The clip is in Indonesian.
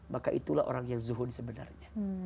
maka itulah orang yang zuhud sebenarnya